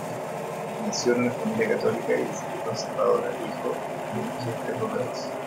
Nació en una familia católica y conservadora, hijo de un jefe de correos.